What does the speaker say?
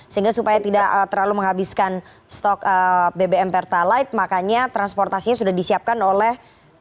sehingga supaya tidak terlalu menghabiskan stok bbm pertalite makanya transportasinya sudah disiapkan oleh